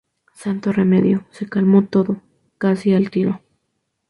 Santo remedio, se calmó todo, casi al tiro.